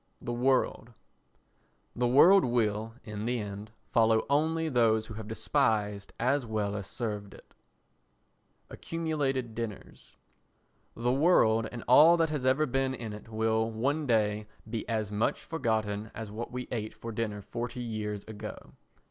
The World The world will, in the end, follow only those who have despised as well as served it. Accumulated Dinners The world and all that has ever been in it will one day be as much forgotten as what we ate for dinner forty years ago.